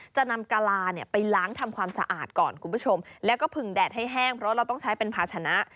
จะนำกะลาเนี่ยไปล้างทำความสะอาดก่อนคุณผู้ชมแล้วก็ผึงแดดให้แห้งเพราะเราต้องใช้เป็นภาชนะ